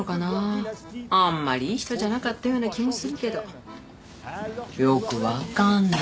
あんまりいい人じゃなかったような気もするけどよくわかんない。